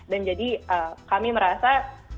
dan jadi kami merasa